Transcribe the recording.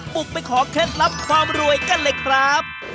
บุกไปขอเคล็ดลับความรวยกันเลยครับ